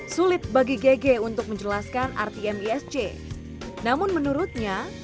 sulit bagi gg untuk menjelaskan rt misc namun menurutnya